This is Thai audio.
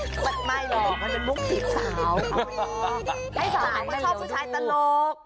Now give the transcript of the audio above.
ไม่เลยมันมีโรคผีกสาวเขาเต้นทุกคนชอบสุดท้ายตลก